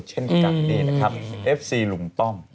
เช่นกับจักรดีนะครับเอฟซีลุงป้อม